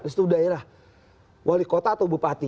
di situ daerah wali kota atau bupati